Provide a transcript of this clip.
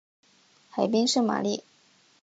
海滨圣玛丽。